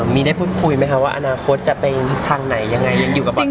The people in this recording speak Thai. มีได้พูดคุยไหมคะว่าอนาคตจะไปทางไหนยังไงยังอยู่กับเรา